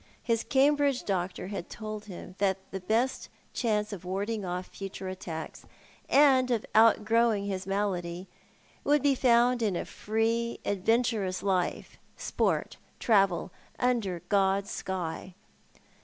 His Cambridge doctor had told him that his best chance of warding off future attacks, and of outgrowing his malady, would be found in a free, adventurous life — sjDort, travel — under God's sky.